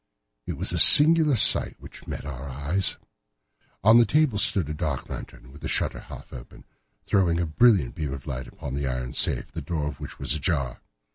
It was a singular sight which met our eyes. On the table stood a dark lantern with the shutter half open, throwing a brilliant beam of light upon the iron safe, the door of which was ajar.